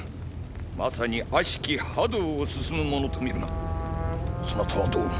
まさに悪しき覇道を進む者と見るがそなたはどう思う？